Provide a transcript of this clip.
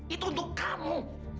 itu untuk kamu